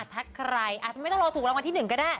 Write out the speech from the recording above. ถ้าใครอาจจะไม่ต้องรอถูกรางวัลที่๑ก็ได้